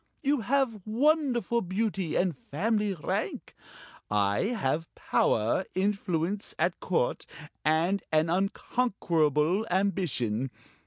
You have wonderful beauty and family rank. I have power, influence at Court, and an unconquerable ambition.